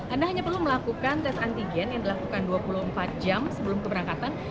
anda hanya perlu melakukan tes antigen yang dilakukan dua puluh empat jam sebelum keberangkatan